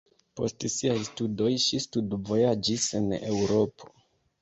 Post siaj studoj ŝi studvojaĝis en Eŭropo.